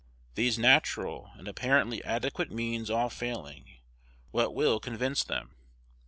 These natural, and apparently adequate means all failing, what will convince them?